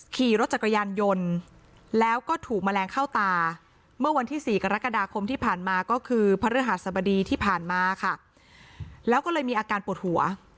ขี่รถจักรยานยนต์แล้วก็ถูกแมลงเข้าตาเมื่อวันที่สี่กรกฎาคมที่ผ่านมาก็คือพระเรือหาสบดีที่ผ่านมาค่ะ